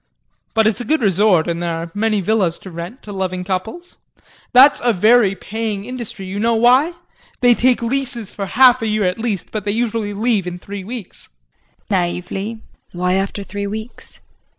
But it's a good resort, and there are many villas to rent to loving couples. That's a very paying industry. You know why? They take leases for half a year at least, but they usually leave in three weeks. JULIE [Naively]. Why after three weeks?